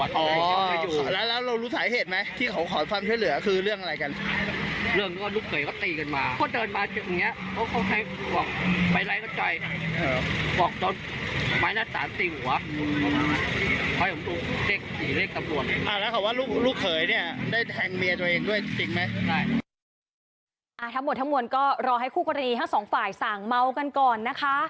ทั้งหมดทั้งหมดก็รอให้คู่กรณีทั้งสองฝ่ายสั่งเมากันก่อนนะคะ